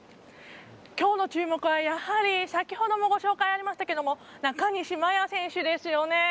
きょうの注目は、やはり先ほどお話にありましたが中西麻耶選手ですよね。